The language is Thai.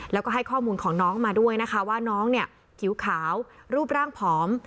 แล้วก็ให้ข้อมูลของน้องมาด้วยนะคะว่าน้องเนี่ยผิวขาวรูปร่างผอม